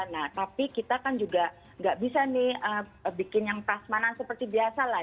nah tapi kita kan juga nggak bisa nih bikin yang prasmanan seperti biasa lah